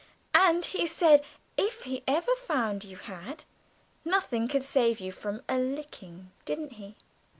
And he said if he ever found you had, nothing could save you from a licking, didn't he?"